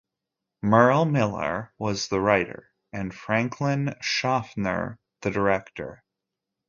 Merle Miller was the writer and Franklin Schaffner the director.